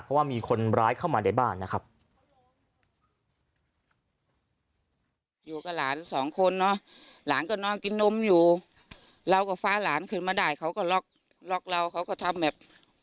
เพราะว่ามีคนร้ายเข้ามาในบ้านนะครับ